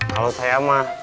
kalau saya mah